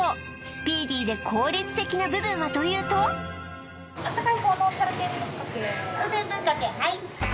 スピーディーで効率的な部分はというとタル天ぶっかけはい